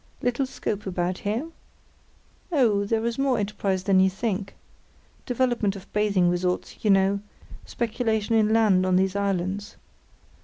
Little scope about here? Oh, there is more enterprise than you think—development of bathing resorts, you know, speculation in land on these islands.